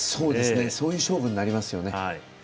そういう勝負になりますよね。